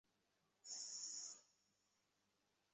সোকস, আমরা সফল, আমরা এটা করতে পেরেছি!